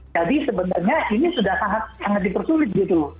jadi sebenarnya ini sudah sangat dipersulit gitu